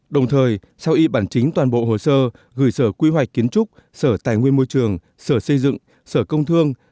đồng thời sau y bản chính toàn bộ hồ sơ gửi sở quy hoạch kiến trúc sở tài nguyên môi trường sở xây dựng sở công thương